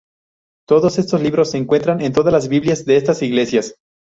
Todos estos libros se encuentran en todas las Biblias de estas iglesias.